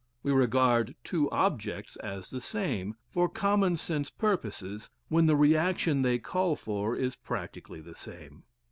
We regard two objects as the same, for common sense purposes, when the reaction they call for is practically the same.